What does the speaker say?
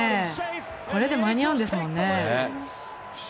これで間に合うんですもんね。